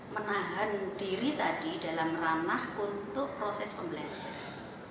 menahan diri tadi dalam ranah untuk proses pembelajaran